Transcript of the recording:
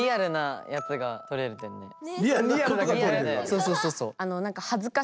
そうそうそうそう。